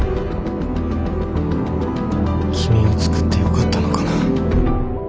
君を作ってよかったのかな。